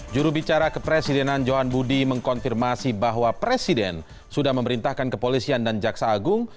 jurubicara kepresidenan johan budi mengkonfirmasi bahwa presiden sudah memerintahkan kepolisian dan jaksa agung